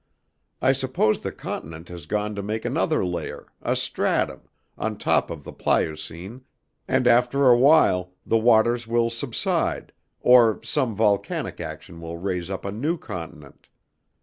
I suppose the continent has gone to make another layer, a stratum, on top of the pliocene, and after awhile the waters will subside, or some volcanic action will raise up a new continent.